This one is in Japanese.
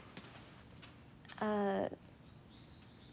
ああ。